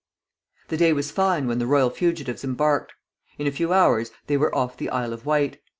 The day was fine when the royal fugitives embarked. In a few hours they were off the Isle of Wight.